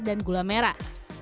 dan gula merah